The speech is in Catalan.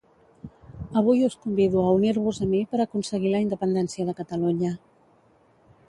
Avui us convido a unir-vos a mi per aconseguir la independència de Catalunya